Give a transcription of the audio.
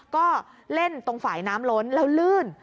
ก็เล่นตรงฝ่ายน้ำล้นแล้วลื่น